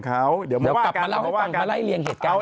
กลับมาเล่าให้ปังมาไล่เลี่ยงเหตุการณ์ด้วย